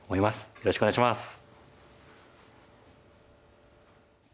よろしくお願いします。